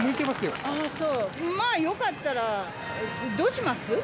まあ、よかったら、どうします？